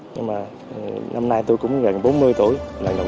nhưng mà năm nay tôi cũng gần bốn mươi tuổi là lần đầu tiên được viếng lăng bác